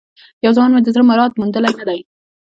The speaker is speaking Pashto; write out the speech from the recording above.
یو زمان مي د زړه مراد موندلی نه دی